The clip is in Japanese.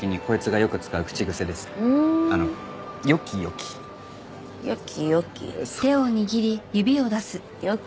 よきよき？